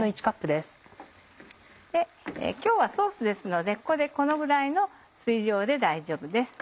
今日はソースですのでここでこのぐらいの水量で大丈夫です。